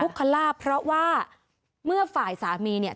ทุกข์ค่ะล่าเพราะว่าเมื่อฝ่ายสามีเนี่ย